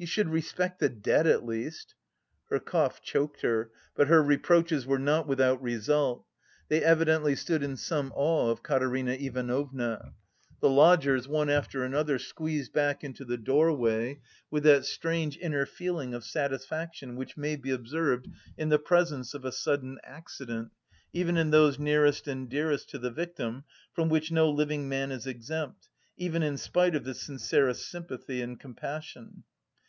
You should respect the dead, at least!" Her cough choked her but her reproaches were not without result. They evidently stood in some awe of Katerina Ivanovna. The lodgers, one after another, squeezed back into the doorway with that strange inner feeling of satisfaction which may be observed in the presence of a sudden accident, even in those nearest and dearest to the victim, from which no living man is exempt, even in spite of the sincerest sympathy and compassion.